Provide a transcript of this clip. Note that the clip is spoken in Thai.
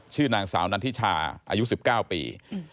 ชื่อนางสาวนันทิชาอายุ๑๙ปี